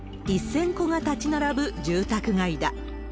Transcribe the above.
１０００戸が立ち並ぶ住宅街だ。